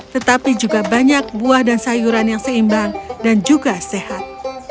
tetapi juga banyak buah dan sayuran yang seimbang dan juga sehat